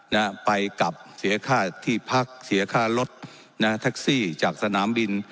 นะฮะไปกลับเสียค่าที่พักเสียค่ารถนะแท็กซี่จากสนามบิน